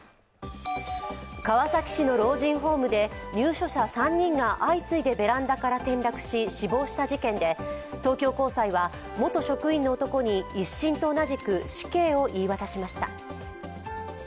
川崎市の老人ホームで入所者３人が相次いでベランダから転落し死亡した事件で、東京高裁は元職員の男に１審と同じく死刑を言い渡しました